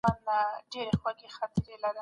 بڼوال د بوټو چینجي وهلې پاڼې پرې کړې.